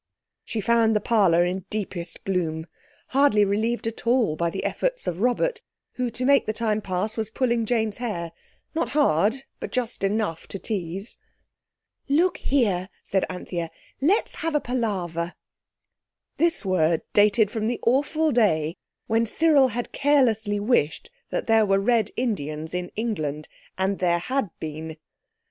She found the parlour in deepest gloom, hardly relieved at all by the efforts of Robert, who, to make the time pass, was pulling Jane's hair—not hard, but just enough to tease. "Look here," said Anthea. "Let's have a palaver." This word dated from the awful day when Cyril had carelessly wished that there were Red Indians in England—and there had been.